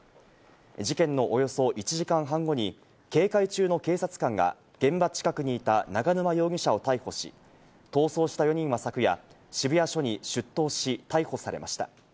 事件のおよそ１時間半後に、警戒中の警察官が現場近くにいた永沼容疑者を逮捕し、逃走した４人は昨夜、渋谷署に出頭し、逮捕されました。